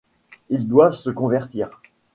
Ils doivent se convertir.